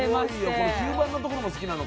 この吸盤のところも好きなの。